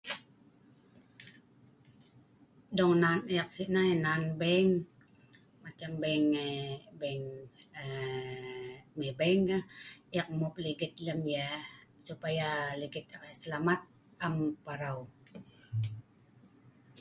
Dong nan eek si'nai nan bank, macam bank ee bank ee Maybank kah. Eek mmup ligit lem yeh supaya ligit noknah selamat am parau.